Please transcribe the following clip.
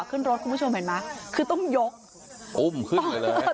คุณผู้ชมรักกรมโมอายุห้าสิบเก้าปี